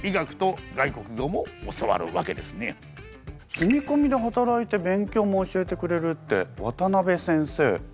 住み込みで働いて勉強も教えてくれるって渡部先生